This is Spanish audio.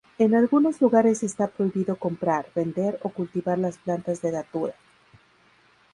En algunos lugares está prohibido comprar, vender o cultivar las plantas de "Datura".